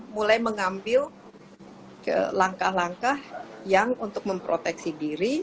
mulai mengambil langkah langkah yang untuk memproteksi diri